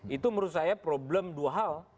itu menurut saya problem dua hal